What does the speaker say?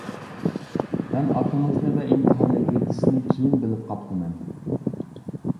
مەن ئاكىڭىزنى ۋە ئىمتىھان نەتىجىسىنى كېيىن بىلىپ قاپتىمەن.